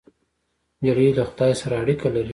نجلۍ له خدای سره اړیکه لري.